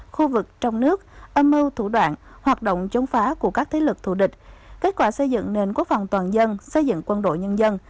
khu vực trong nước âm mưu thủ đoạn hoạt động chống phá của các thế lực thù địch kết quả xây dựng nền quốc phòng toàn dân xây dựng quân đội nhân dân